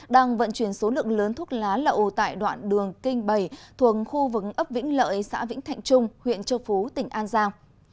đang vận chuyển số lượng lớn thuốc lá lậu tại đoạn đường kinh bảy thuồng khu vực ấp vĩnh lợi xã vĩnh thạnh trung huyện châu phú tỉnh an giang